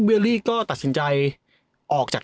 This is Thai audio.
เลลี่ก็ตัดสินใจออกจาก